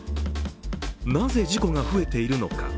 なぜ、事故が増えているのか。